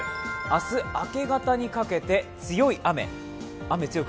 明日明け方にかけて強い雨。